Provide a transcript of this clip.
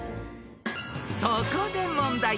［そこで問題］